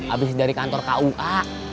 abis dari kantor kua